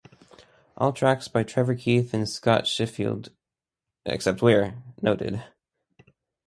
All tracks by Trever Keith and Scott Shiflett except where noted.